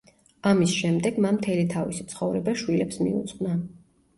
ამის შემდეგ მან მთელი თავისი ცხოვრება შვილებს მიუძღვნა.